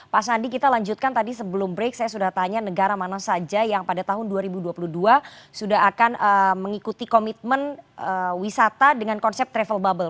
pak sandi kita lanjutkan tadi sebelum break saya sudah tanya negara mana saja yang pada tahun dua ribu dua puluh dua sudah akan mengikuti komitmen wisata dengan konsep travel bubble